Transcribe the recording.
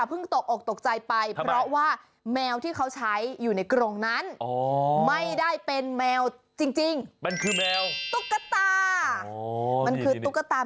เพราะฉะนั้นนะคุณผู้ชม